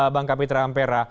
bang kapitan ampera